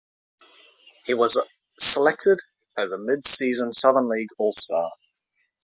He was selected as a midseason Southern League All-Star.